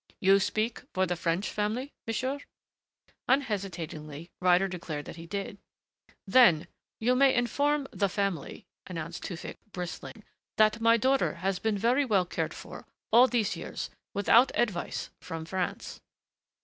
"You speak for the French family, monsieur?" Unhesitatingly Ryder declared that he did. "Then you may inform the family," announced Tewfick, bristling, "that my daughter has been very well cared for all these years without advice from France."